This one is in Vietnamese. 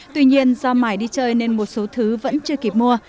tuy nhiên do mài đi chơi nên một số thứ vẫn chưa kịp mua